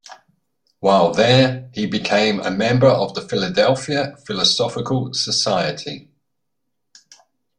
While there, he became a member of the Philadelphia Philosophical Society.